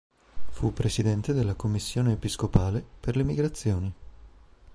Fu presidente della Commissione episcopale per le migrazioni.